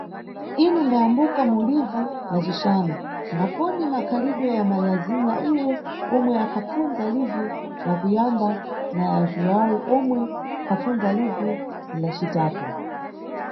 Ine ndayambuka mu livu la cixanu, ngaponi makhalidwe ya Mariazinha iye omwe akhapfunza livu la kuyamba na ya Juwau omwe akhapfunza livu la citatu?